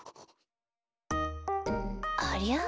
ありゃ？